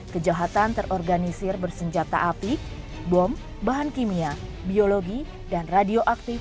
kejahatan terorganisir bersenjata api bom bahan kimia biologi dan radioaktif